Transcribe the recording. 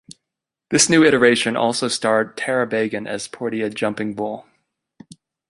This new iteration also starred Tara Beagan as Portia Jumpingbull.